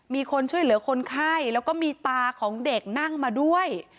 มีคนช่วยเหลือคนไข้แล้วก็มีตาของเด็กนั่งมาด้วย